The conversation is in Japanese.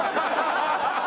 ハハハハ！